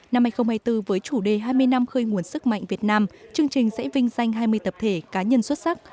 năm hai nghìn hai mươi bốn với chủ đề hai mươi năm khơi nguồn sức mạnh việt nam chương trình sẽ vinh danh hai mươi tập thể cá nhân xuất sắc